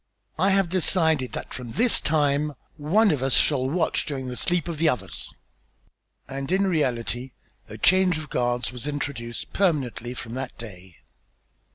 I have decided that from this time one of us shall watch during the sleep of the others." And in reality a change of guards was introduced permanently from that day.